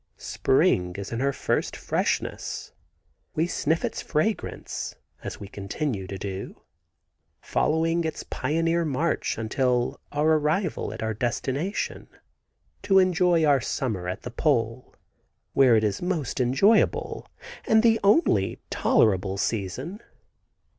Spring is in her first freshness. We sniff its fragrance, as we shall continue to do, following its pioneer march until our arrival at our destination to enjoy our summer at the pole, where it is most enjoyable and the only tolerable season.